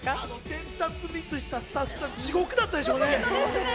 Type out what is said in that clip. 伝達ミスしたスタッフさん、地獄だったでしょうね。